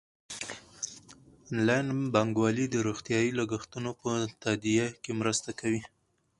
انلاین بانکوالي د روغتیايي لګښتونو په تادیه کې مرسته کوي.